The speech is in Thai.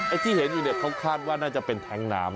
ไอตี้เห็นอยู่เค้าคาดว่าน่าจะเป็นแทงก์น้ำ